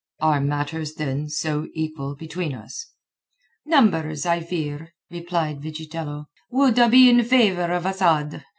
"Are matters, then, so equal between us?" "Numbers, I fear," replied Vigitello, "would be in favour of Asad.